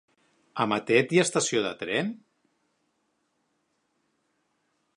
A Matet hi ha estació de tren?